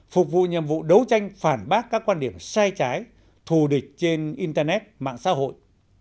phục vụ nhiệm vụ đấu tranh phản bác các quan điểm sai trái thù địch trên internet mạng xã hội